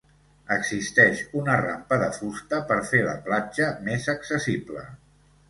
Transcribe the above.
Existeix una rampa de fusta per fer la platja més accessible.